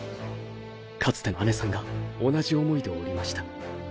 かつてのアネさんが同じ思いでおりました